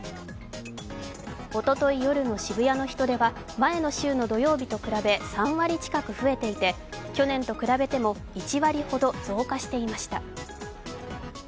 おととい夜の渋谷の人出は前の週の土曜日と比べ３割近く増えていて去年と比べても１割ほど増加していました。